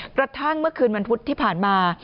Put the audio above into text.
กระทั่งเมื่อคืนวันพุธที่ผ่านมา